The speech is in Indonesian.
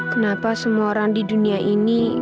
kenapa semua orang di dunia ini